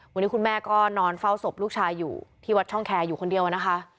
วันนี้คุณแม่ก็นอนเฝ้าศพลูกชายอยู่ที่วัดช่องแคร์อยู่คนเดียวนะคะ